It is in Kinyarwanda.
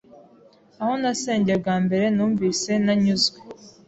Aho nasengeye bwa mbere numvise ntanyuzwe,